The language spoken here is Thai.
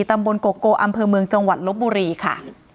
ตำบลโกโกอำเภอเมืองจังหวัดลบบุรีค่ะ